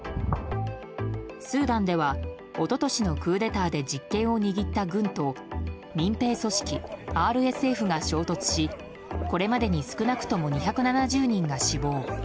スーダンでは一昨年のクーデターで実権を握った軍と民兵組織ＲＳＦが衝突しこれまでに少なくとも２７０人が死亡。